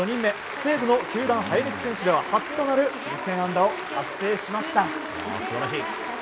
西武の球団生え抜き選手では初となる２０００安打を達成しました。